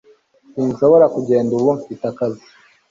Sinshobora kugenda ubu Mfite akazi